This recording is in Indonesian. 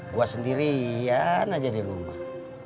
buat sendirian aja di rumah